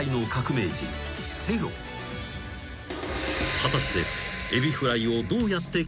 ［果たして］